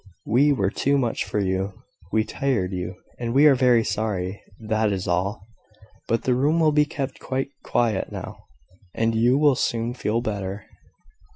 "We were too much for you; we tired you; and we are very sorry that is all. But the room will be kept quite quiet now, and you will soon feel better."